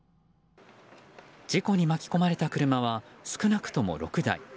事故に巻き込まれた車は少なくとも６台。